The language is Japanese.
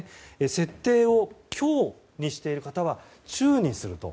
設定を強にしている方は中にすると。